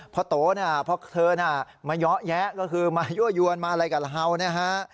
พระโตนะเพราะเธอมาย๊อะแยะก็คือมายุ่นอย่วนมาอะไรกันเหรอฮา